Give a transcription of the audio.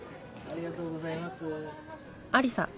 ・ありがとうございます。